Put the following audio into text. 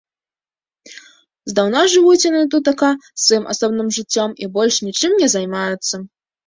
Здаўна жывуць яны тутака сваім асобным жыццём і больш нічым не займаюцца.